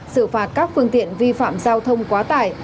xử phạt các phương tiện vi phạm giao thông quá tải